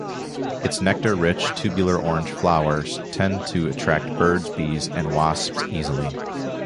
Its nectar-rich, tubular orange flowers tend to attract birds, bees, and wasps easily.